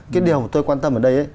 cái điều tôi quan tâm ở đây